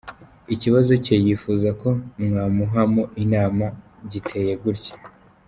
Ikibazo cye yifuza ko mwamuhamo inama giteye gutya:.